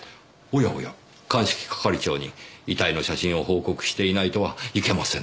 おやおや鑑識係長に遺体の写真を報告していないとはいけませんねぇ。